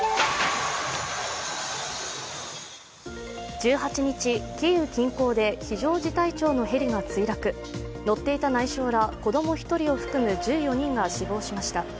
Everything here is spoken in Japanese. １８日、キーウ近郊で非常事態庁のヘリが墜落乗っていた内相ら子供１人を含む１４人が死亡しました。